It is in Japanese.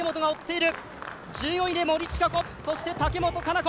１４位で森智香子そして竹本香奈子。